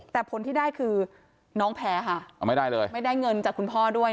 แต่ผลที่ได้คือน้องแพ้ค่ะไม่ได้เงินจากคุณพ่อด้วย